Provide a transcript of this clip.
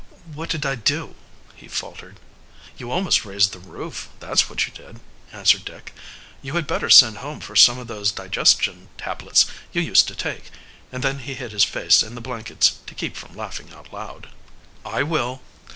"What did I do?" he faltered. "You almost raised the roof, that's what you did," answered Dick. "You had better send home for some of those digestion tablets you used to take," and then he hid his face in the blankets to keep from laughing out loud. "I will."